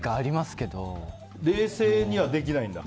冷静にはできないんだ。